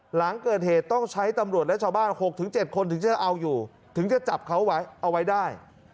หลังเกิดเหตุต้องใช้ตำรวจและชาวบ้าน๖๗คนถึงจะเอาอยู่ถึงจะจับเขาไว้เอาไว้ได้